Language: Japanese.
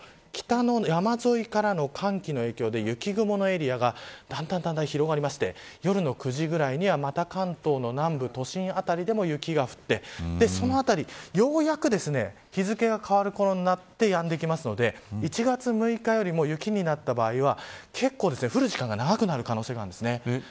そうすると北の山沿いからの寒気の影響で雪雲のエリアがだんだん広がりまして夜の９時ぐらいにはまた関東の南部、都心辺りでも雪が降って、そのあたりようやく日付が変わるころになってやんできますので１月６日よりも雪になった場合は結構、降る時間が長くなるんですよね。